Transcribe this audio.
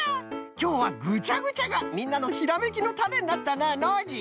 きょうはぐちゃぐちゃがみんなのひらめきのタネになったなノージー。